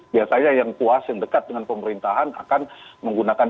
biasanya yang puas yang dekat dengan pemerintahan akan menggunakan